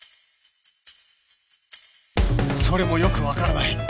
それもよくわからない